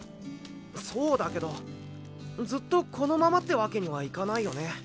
そうだけどずっとこのままってわけにはいかないよね。